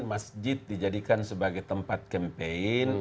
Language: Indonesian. masjid dijadikan sebagai tempat campaign